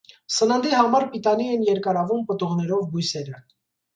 Սննդի համար պիտանի են երկարավուն պտուղներով բույսերը։